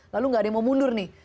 lalu nggak ada yang mau mundur nih